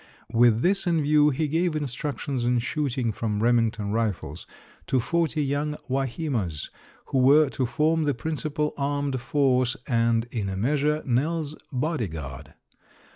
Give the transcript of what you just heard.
With this in view he gave instructions in shooting from Remington rifles to forty young Wahimas who were to form the principal armed force and in a measure Nell's body guard.